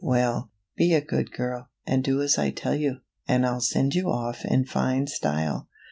"Well, be a good girl, and do as I tell you, and I'll send you off in fine style.